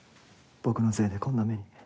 僕のせいでこんな目に。